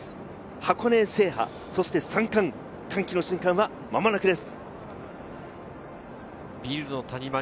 箱根制覇、３冠、歓喜の瞬間は間もなくです。